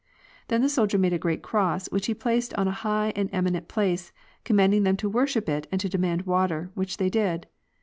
'' Then the soldier made a ereat cross, which he placed on a high and eminent place, com manding them to worship it and to demand water, which they did.